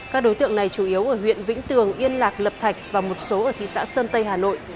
các đối tượng này chủ yếu ở huyện vĩnh tường yên lạc lập thạch và một số ở thị xã sơn tây hà nội